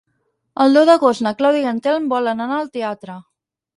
El deu d'agost na Clàudia i en Telm volen anar al teatre.